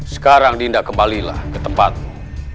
sekarang dindak kembalilah ke tempatmu